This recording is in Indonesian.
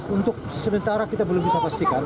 untuk sementara kita belum bisa pastikan